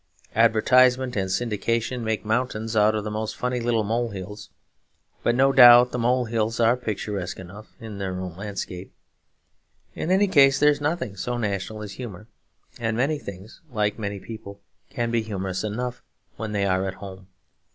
Advertisement and syndication make mountains out of the most funny little mole hills; but no doubt the mole hills are picturesque enough in their own landscape. In any case there is nothing so national as humour; and many things, like many people, can be humorous enough when they are at home.